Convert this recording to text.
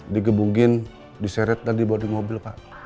digebungin diseret dan dibawa di mobil pak